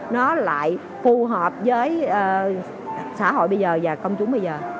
nó lại phù hợp với xã hội bây giờ và công chúng bây giờ